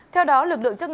theo đó lực lượng chức năng